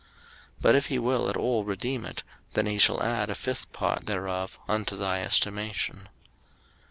03:027:013 But if he will at all redeem it, then he shall add a fifth part thereof unto thy estimation.